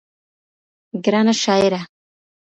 ګرانه شاعره